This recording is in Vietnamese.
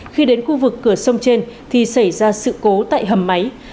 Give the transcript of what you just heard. khi đến khu vực cửa sông trên thì xảy ra sự cố tại hầm máy